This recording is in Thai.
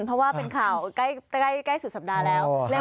เพราะว่าเป็นข่าวใกล้สุดสัปดาห์แล้ว